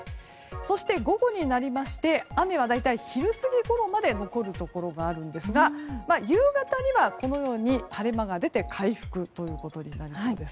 そして、午後になりまして雨は大体、昼過ぎごろまで残るところがあるんですが夕方には晴れ間が出て回復となるそうです。